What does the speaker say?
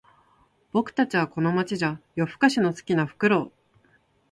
僕たちはこの街じゃ夜ふかしの好きなフクロウ